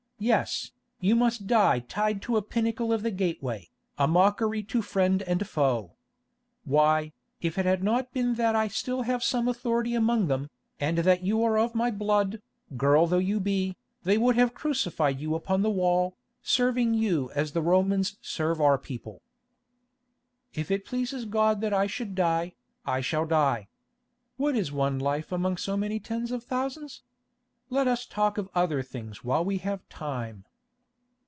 Yes, you must die tied to a pinnacle of the gateway, a mockery to friend and foe. Why, if it had not been that I still have some authority among them, and that you are of my blood, girl though you be, they would have crucified you upon the wall, serving you as the Romans serve our people." "If it pleases God that I should die, I shall die. What is one life among so many tens of thousands? Let us talk of other things while we have time."